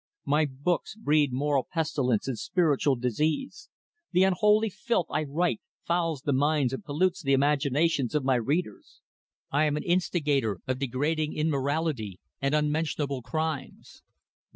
My books breed moral pestilence and spiritual disease. The unholy filth I write fouls the minds and pollutes the imaginations of my readers. I am an instigator of degrading immorality and unmentionable crimes.